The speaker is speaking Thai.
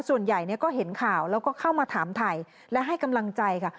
ส่วนใหญ่ก็เห็นข่าวแล้วก็เข้ามาถามถ่ายและให้กำลังใจค่ะ